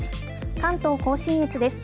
関東甲信越です。